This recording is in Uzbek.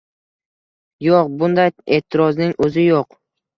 Yo‘q! Bunday e’tirozning o‘zi yo‘q.